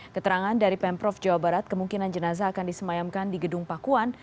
keterangan dari pemprov jawa barat kemungkinan jenazah akan disemayamkan di gedung pakuan